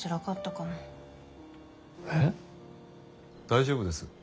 大丈夫です。